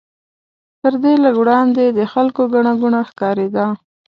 تر دې لږ وړاندې د خلکو ګڼه ګوڼه ښکارېده.